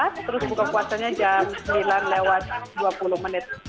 terus buka puasanya jam sembilan lewat dua puluh menit